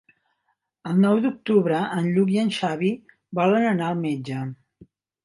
El nou d'octubre en Lluc i en Xavi volen anar al metge.